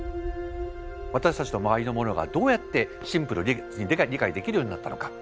私たちの周りのものがどうやってシンプルで理解できるようになったのか。